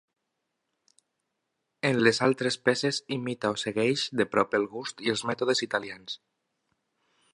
En les altres peces imita o segueix de prop el gust i els mètodes italians.